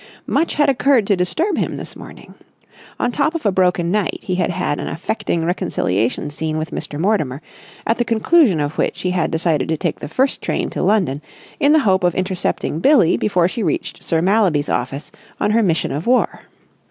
Much had occurred to disturb him this morning. On top of a broken night he had had an affecting reconciliation scene with Mr. Mortimer, at the conclusion of which he had decided to take the first train to London in the hope of intercepting Billie before she reached Sir Mallaby's office on her mission of war.